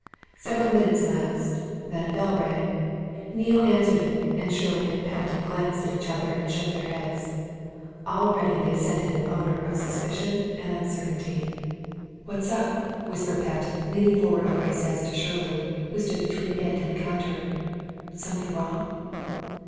Several minutes elapsed: then a bell rang. Neale answered it, and Shirley and Patten glanced at each other and shook their heads: already they scented an odour of suspicion and uncertainty. "What's up?" whispered Patten, leaning forward over his desk to Shirley, who stood between it and the counter. "Something wrong?"